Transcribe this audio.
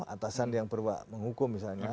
atasan yang perlu menghukum misalnya